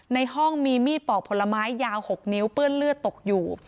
ในห้องมีมีดปอกผลไม้ยาว๖นิ้วเปื้อนเลือดตกอยู่